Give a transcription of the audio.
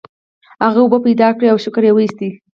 هغه اوبه پیدا کړې او شکر یې وویست.